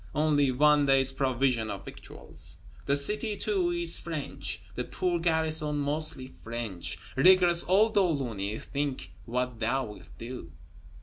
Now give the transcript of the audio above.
only one day's provision of victuals. The city, too, is French, the poor garrison mostly French. Rigorous old De Launay, think what thou wilt do!